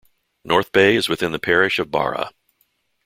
Northbay is within the parish of Barra.